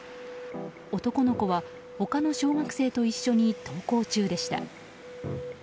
男の子は他の小学生と一緒に登校中でした。